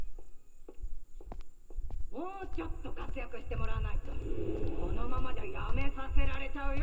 もうちょっと活躍してもらわないとこのままじゃ辞めさせられちゃうよ。